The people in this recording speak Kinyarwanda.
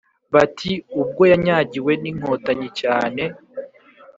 Bati “ubwo yanyagiwe n’Inkotanyi cyane “